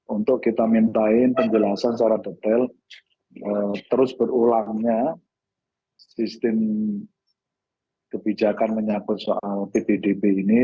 untuk kita mintain penjelasan secara detail terus berulangnya sistem kebijakan menyakut soal ppdb ini